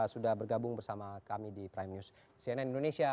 sudah bergabung bersama kami di prime news cnn indonesia